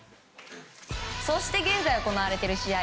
そして現在行われている試合